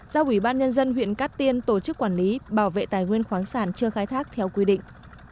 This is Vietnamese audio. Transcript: do ủy ban nhân dân huyện cát tiên tổ chức quản lý bảo vệ tài nguyên khoáng sản chưa khai thác theo quy định